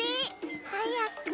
はやく。